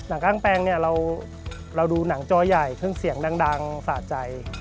หนังข้างแปลงเนี่ยเราดูหนังจอใหญ่เครื่องเสียงดังสะใจ